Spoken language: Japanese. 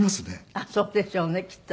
あっそうでしょうねきっと。